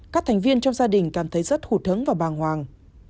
các thành viên trong gia đình cảm thấy rất hụt thẫn và bàng hoàng